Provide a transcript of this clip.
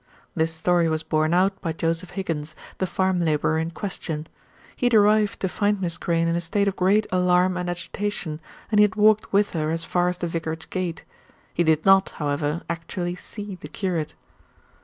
This story was borne out by Joseph Higgins, the farm labourer in question. He had arrived to find Miss Crayne in a state of great alarm and agitation, and he had walked with her as far as the vicarage gate. He did not, however, actually see the curate.